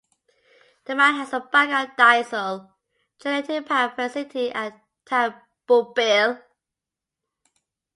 The mine has a backup diesel generating power facility at Tabubil.